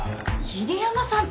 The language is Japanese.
桐山さん